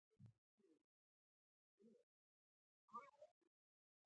د درملو تولید او صادراتو له امله ژر پراختیا ومونده.